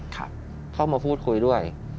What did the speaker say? เข้ามาพูดคุยด้วย